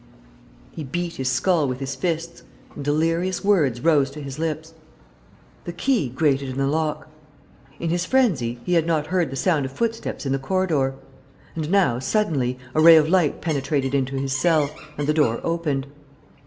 ..." He beat his skull with his fists; and delirious words rose to his lips. ... The key grated in the lock. In his frenzy, he had not heard the sound of footsteps in the corridor; and now, suddenly, a ray of light penetrated into his cell and the door opened.